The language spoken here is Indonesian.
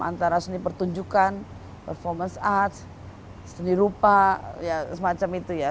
antara seni pertunjukan performance arts seni rupa ya semacam itu ya